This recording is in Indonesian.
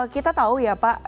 kita tahu ya pak